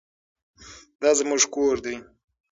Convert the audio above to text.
دا زموږ کور دی.